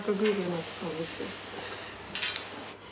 鳴ってたんですよ